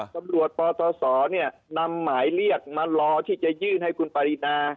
ตำรวจปศนำหมายเรียกมารอที่จะยื่นให้คุณปรินา